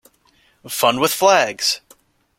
Fun with flags.